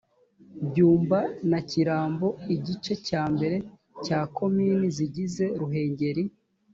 byumba na kirambo igice cyambere cya komini zigize ruhengeri